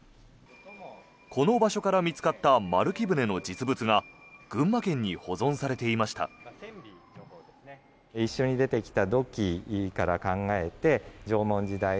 この場所から見つかった丸木舟の実物が群馬県に保存されていました。